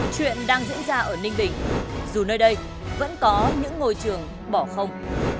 chuyện đang diễn ra ở ninh bình dù nơi đây vẫn có những ngôi trường bỏ không